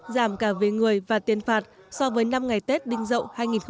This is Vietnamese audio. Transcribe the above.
giảm cả về người và tiền phạt so với năm ngày tết đinh dậu hai nghìn một mươi chín